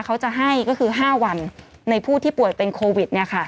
เขาจะให้ก็คือ๕วันในผู้ที่ป่วยเป็นโควิด